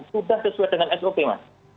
sudah sesuai dengan sop mas